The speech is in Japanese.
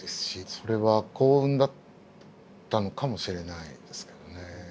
それは幸運だったのかもしれないですけどね。